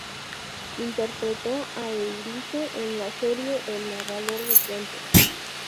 Interpretó a Euridice en la serie "El Narrador de Cuentos".